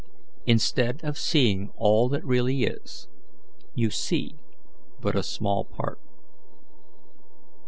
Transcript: Instead of seeing all that really is, you see but a small part."